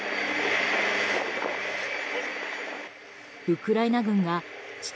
ウクライナ軍が地